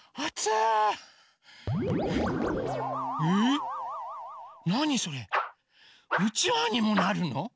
うちわにもなるの？